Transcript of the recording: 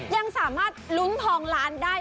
ยังสามารถลุ้นทองล้านได้